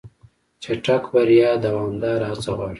چټک بریا دوامداره هڅه غواړي.